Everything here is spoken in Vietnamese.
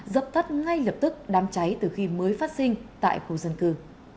dập tắt ngay lập tức đám cháy từ khi mới phát sinh tại khu dân cư